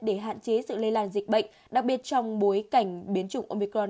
để hạn chế sự lây lan dịch bệnh đặc biệt trong bối cảnh biến chủng omico